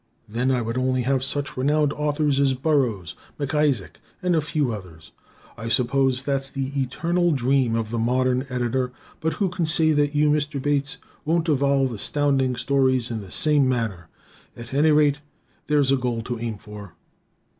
Then I would only have such renowned Authors as Burroughs, MacIsaac and a few others. I suppose that's the eternal dream of the modern Editor, but who can say that you, Mr. Bates, won't evolve Astounding Stories in the same manner. At any rate, there's a goal to aim for.